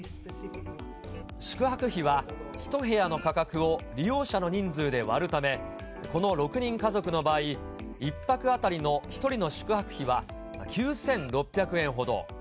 宿泊費は１部屋の価格を利用者の人数で割るため、この６人家族の場合、１泊当たりの１人の宿泊費は９６００円ほど。